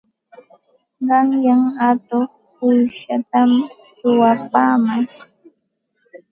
Qanyan atuq uushatam suwapaamash.